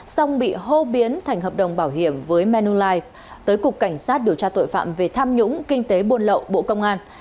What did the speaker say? xong bị hô biến thành hợp đồng bảo hiểm với manulife tới cục cảnh sát điều tra tội phạm về tham nhũng kinh tế buôn lậu bộ công an